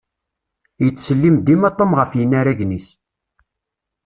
Yettsellim dima Tom ɣef yinaragen-is.